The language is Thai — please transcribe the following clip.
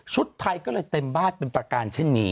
ไทยก็เลยเต็มบ้านเป็นประการเช่นนี้